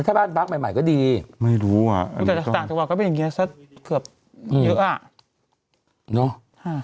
ถ้าบ้านพักใหม่ใหม่ก็ดีไม่รู้อ่ะก็เป็นอย่างเงี้ยสักเผื่อเยอะอ่ะเนอะอ่า